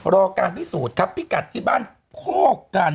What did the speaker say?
รอการพิสูจน์ครับพิกัดที่บ้านโคกกัน